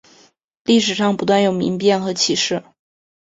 历史上不断有民变和起事。